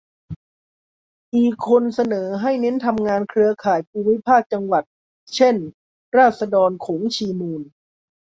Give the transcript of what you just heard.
อีกคนเสนอให้เน้นทำงานเครือข่ายภูมิภาค-จังหวัด เช่น ราษฎรโขงชีมูล